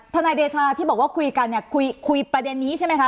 นายเดชาที่บอกว่าคุยกันเนี่ยคุยประเด็นนี้ใช่ไหมคะ